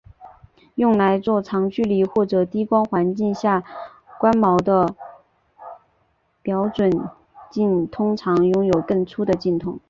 用来做长距离或低光环境下观瞄的瞄准镜通常拥有更粗的镜筒。